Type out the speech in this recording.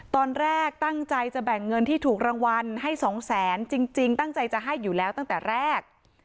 ตอนแรกตั้งใจจะแบ่งเงินที่ถูกรางวัลให้สองแสนจริงตั้งใจจะให้อยู่แล้วตั้งแต่แรก